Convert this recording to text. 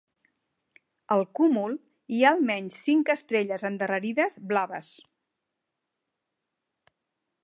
Al cúmul, hi ha almenys cinc estrelles endarrerides blaves.